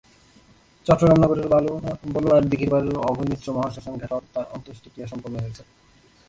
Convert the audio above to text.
চট্টগ্রাম নগরের বলুয়ার দীঘির পাড়ের অভয়মিত্র মহাশ্মশান ঘাটে তাঁর অন্ত্যেষ্টিক্রিয়া সম্পন্ন হয়েছে।